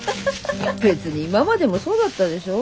別に今までもそうだったでしょ。